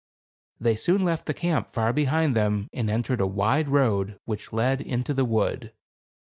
They soon left the camp far behind them, and entered a wide road, which led into the wood.